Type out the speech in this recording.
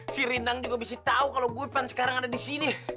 si rindang juga bisa tahu kalo gue pan sekarang ada di sini